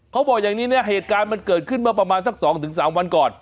เขาบอกอย่างนี้นะเหตุการณ์มันเกิดขึ้นมาประมาณสัก๒๓วันก่อน